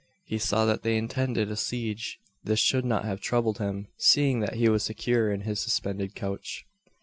He saw that they intended a siege. This should not have troubled him, seeing that he was secure in his suspended couch.